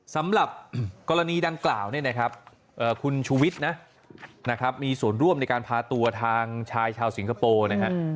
สำหรับกรณีดังกล่าวเนี่ยนะครับคุณชูวิทย์นะนะครับมีส่วนร่วมในการพาตัวทางชายชาวสิงคโปร์นะฮะ